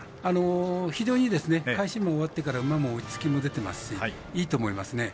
非常に返し馬が終わって落ち着きも出ていますしいいと思いますね。